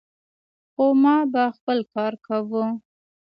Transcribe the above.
خو ما به خپل کار کاوه.